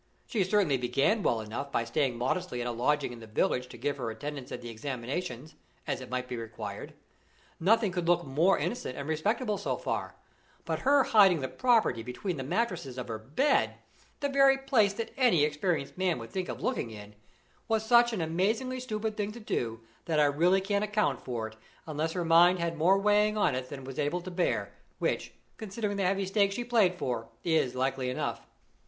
She certainly began well enough by staying modestly at a lodging in the village to give her attendance at the examinations, as it might be required; nothing could look more innocent and respectable so far; but her hiding the property between the mattresses of her bed the very first place that any experienced man would think of looking in was such an amazingly stupid thing to do, that I really can't account for it, unless her mind had more weighing on it than it was able to bear, which, considering the heavy stakes she played for, is likely enough.